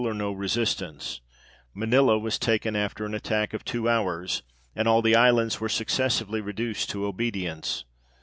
87 no resistance ; Manilla was taken after an attack of two hours, and all the islands were successively reduced to obedience.